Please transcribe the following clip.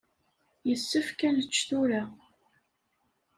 Yessefk ad nečč tura.